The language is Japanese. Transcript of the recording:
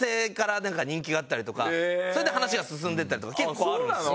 それで話が進んでいったりとか結構あるんですよ。